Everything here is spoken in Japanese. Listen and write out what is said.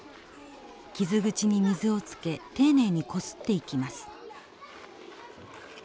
傷口に水をつけ丁寧にこすっていきます。